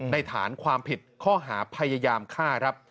ในฐานความผิดข้อหาพยายามฆ่า